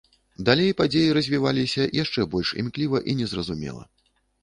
Далей падзеі развіваліся яшчэ больш імкліва і незразумела.